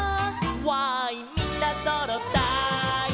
「わーいみんなそろったい」